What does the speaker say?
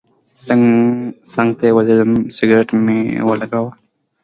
څنګ ته یې ودرېدم سګرټ مې ولګاوه.